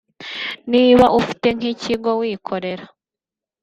niba ufite nk’ikigo wikorera